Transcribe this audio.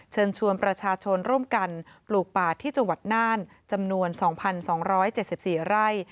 เชิญชวนประชาชนร่วมกันปลูกป่าที่จังหวัดน่านจำนวน๒๒๗๔ไร่